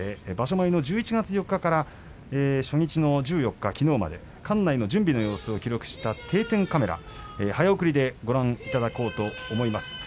前の１１月４日から初日の１４日、きのうまで館内の準備の様子を記録した定点カメラを早送りでご覧いただこうと思います。